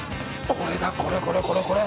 これだ、これこれ。